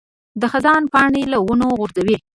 د خزان پاڼې له ونو غورځي.